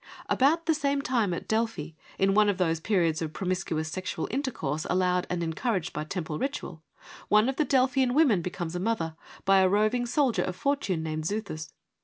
About the same time at Delphi, in one of those periods of promiscuous sexual intercourse allowed and encouraged by temple ritual, one of the Delphian women becomes a mother, by a roving soldier of fortune named Xuthus.